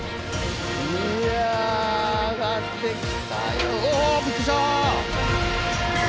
いやあ上がってきたよ。